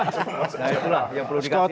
nah itulah yang perlu dikasih hati